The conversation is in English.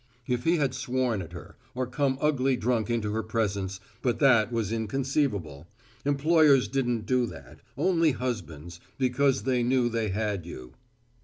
If he had sworn at her, or come ugly drunk into her presence but that was inconceivable. Employers didn't do that, only husbands, because they knew they had you.